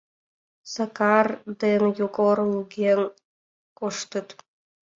Сакар ден Йогор луген коштыт.